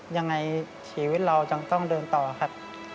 ยังไงชีวิตเรายังต้องเดินต่อครับ